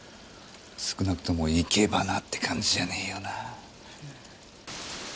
少なくとも生け花って感じじゃねえよな。